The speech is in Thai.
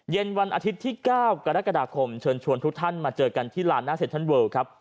วันอาทิตย์ที่๙กรกฎาคมเชิญชวนทุกท่านมาเจอกันที่ลานหน้าเซ็นทรัลเวิลครับ